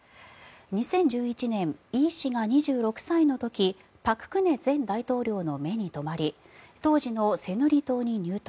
２０１１年、イ氏が２６歳の時朴槿惠前大統領の目に留まり当時のセヌリ党に入党。